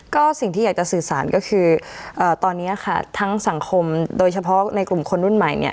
ก็สิ่งที่อยากจะสื่อสารก็คือตอนนี้ค่ะทั้งสังคมโดยเฉพาะในกลุ่มคนรุ่นใหม่เนี่ย